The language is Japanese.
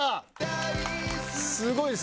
すごいです。